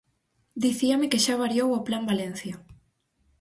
Dicíame que xa variou o Plan Valencia.